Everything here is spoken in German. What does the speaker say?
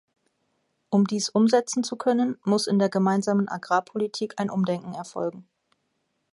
Um dies umsetzen zu können, muss in der gemeinsamen Agrarpolitik ein Umdenken erfolgen.